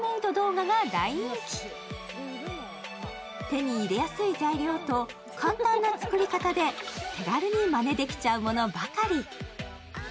手に入れやすい材料と簡単な作り方で手軽にまねできちゃうものばかり。